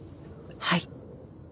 はい。